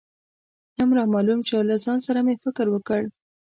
هم رامعلوم شو، له ځان سره مې فکر وکړ.